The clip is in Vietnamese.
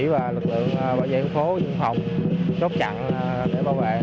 và lực lượng bảo vệ dân phố dân phòng chốt chặn để bảo vệ